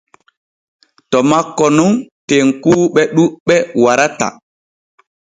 To makko nun tenkuuɓe ɗuɓɓe warata.